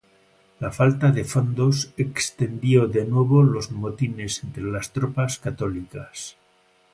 La falta de fondos extendió de nuevo los motines entre las tropas católicas.